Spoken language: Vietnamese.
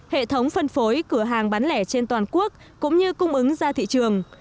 hệ thống phân phối cửa hàng bán lẻ trên toàn quốc cũng như cung ứng ra thị trường